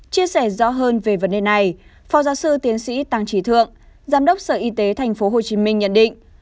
chia sẻ rõ hơn về vấn đề này phó giáo sư tiến sĩ tăng trí thượng giám đốc sở y tế tp hcm nhận định